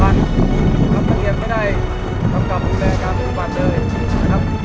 อันนี้ก็คือพูดมาแล้วโปรดนะครับวิทยาลัยพูดหมดแล้วนะครับ